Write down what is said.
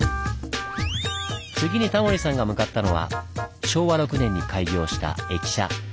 次にタモリさんが向かったのは昭和６年に開業した駅舎。